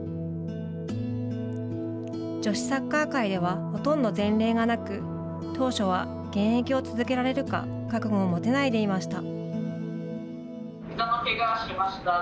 女子サッカー界ではほとんど前例がなく当初は、現役を続けられるか覚悟を持てないでいました。